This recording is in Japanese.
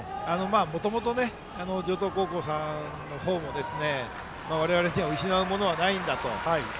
もともと城東高校さんの方も我々には失うものはないんだと。